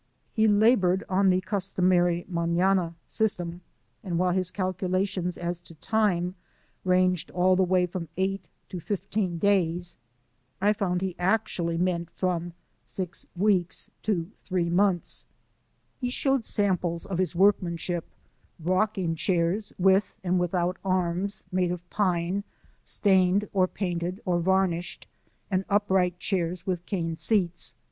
He labored on the customar}' manana system, and while his calculations as to time ranged all the way from eight to fifteen days, I found he actually meant from six weeks to three months. He showed samples of his FACE TO FACE WITH THE MEXICANS. workmanship, rocking chairs with and without arms, made of pine, stained or painted or varnished, and upright chairs with cane seatf.